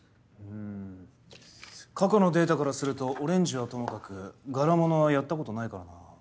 うーん過去のデータからするとオレンジはともかく柄物はやったことないからな。